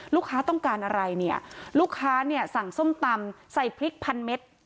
ลูกค้าต้องการอะไรเนี่ยลูกค้าเนี่ยสั่งส้มตำใส่พริกพันเม็ด